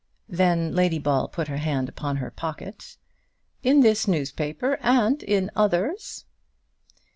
then, Lady Ball put her hand upon her pocket "in this newspaper, and in others?"